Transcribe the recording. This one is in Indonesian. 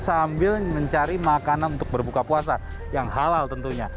sambil mencari makanan untuk berbuka puasa yang halal tentunya